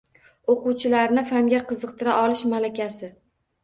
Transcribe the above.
O‘quvchilarni fanga qiziqtira olish malakasi